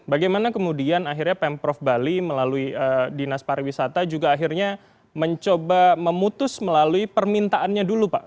bagaimana kemudian akhirnya pemprov bali melalui dinas pariwisata juga akhirnya mencoba memutus melalui permintaannya dulu pak